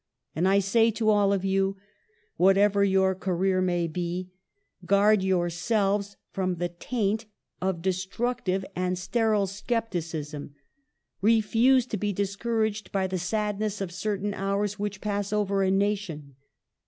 And I say to all of you, whatever your career may be, guard yourselves from the taint of destructive and sterile scepticism, refuse to be discouraged by the sadness of certain hours which pass over a nation.